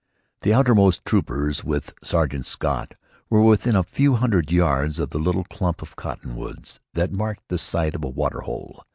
The outermost troopers, with Sergeant Scott, were within a few hundred yards of the little clump of cottonwoods that marked the site of a water hole.